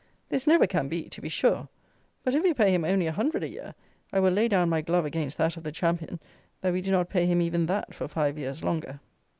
This never can be, to be sure; but if we pay him only a hundred a year, I will lay down my glove against that of the "Champion," that we do not pay him even that for five years longer.